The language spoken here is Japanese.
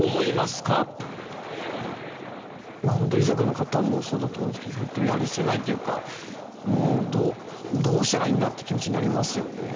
まあ本当遺族の方もそうだと思いますけど本当やるせないっていうかもうどうどうしたらいいんだ？って気持ちになりますよね。